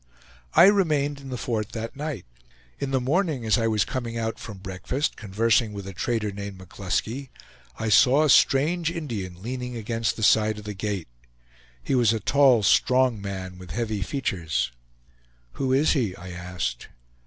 I remained in the fort that night. In the morning, as I was coming out from breakfast, conversing with a trader named McCluskey, I saw a strange Indian leaning against the side of the gate. He was a tall, strong man, with heavy features. "Who is he?" I asked.